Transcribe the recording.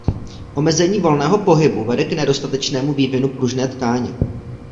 Omezení volného pohybu vede k nedostatečnému vývinu pružné tkáně.